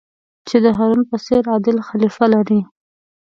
چې د هارون په څېر عادل خلیفه لرئ.